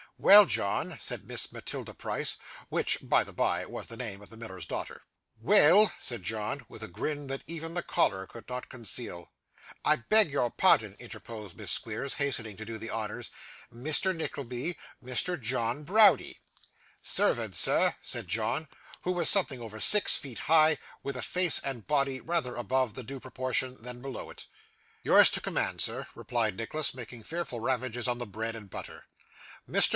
'Well, John,' said Miss Matilda Price (which, by the bye, was the name of the miller's daughter). 'Weel,' said John with a grin that even the collar could not conceal. 'I beg your pardon,' interposed Miss Squeers, hastening to do the honours. 'Mr. Nickleby Mr. John Browdie.' 'Servant, sir,' said John, who was something over six feet high, with a face and body rather above the due proportion than below it. 'Yours to command, sir,' replied Nicholas, making fearful ravages on the bread and butter. Mr.